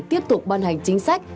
tiếp tục ban hành chính sách